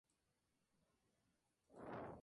Se encuentra detenido con arresto domiciliario.